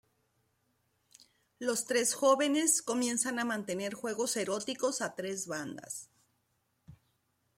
Los tres jóvenes comienzan a mantener juegos eróticos a tres bandas.